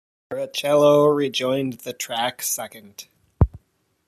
Barrichello rejoined the track second.